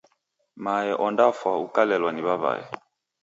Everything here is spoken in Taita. Mae ondafwa ukalelwa ni w'aw'ae.